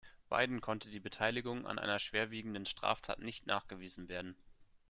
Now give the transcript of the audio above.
Beiden konnte die Beteiligung an einer schwerwiegenden Straftat nicht nachgewiesen werden.